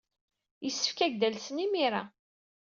Yessefk ad ak-d-alsen imir-a.